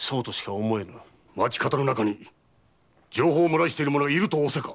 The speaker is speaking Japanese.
町方の中に情報を漏らしている者がいると仰せか？